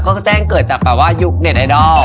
แจ้งเกิดจากแบบว่ายุคเน็ตไอดอล